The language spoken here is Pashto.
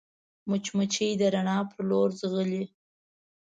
مچمچۍ د رڼا پر لور ځغلي